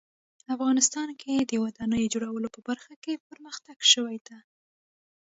افغانستان کې د ودانیو جوړولو په برخه کې پرمختګ شوی ده